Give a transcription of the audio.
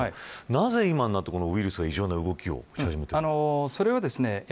なぜ、今になってウイルスが異常な動きをし始めたんですか。